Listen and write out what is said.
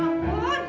kamu yang sabar isri